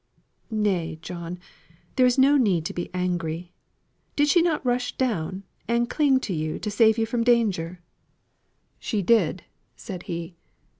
"Nay, John, there is no need to be angry. Did she not rush down and cling to you to save you from danger?" "She did!" said he.